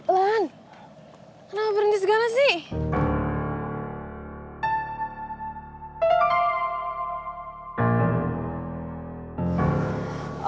lahan kenapa berhenti segala sih